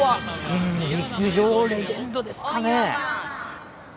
うーん、陸上レジェンドですかね。